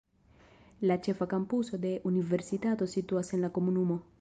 La ĉefa kampuso de universitato situas en la komunumo.